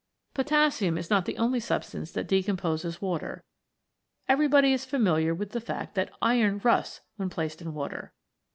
Potassium is not the only substance that decom poses water. Everybody is familiar with the fact that iron rusts when placed in water.